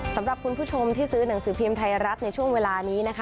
สำหรับคุณผู้ชมที่ซื้อหนังสือพิมพ์ไทยรัฐในช่วงเวลานี้นะคะ